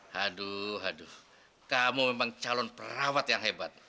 haduh aduh kamu memang calon perawat yang hebat